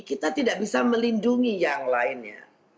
kita tidak bisa melindungi yang lainnya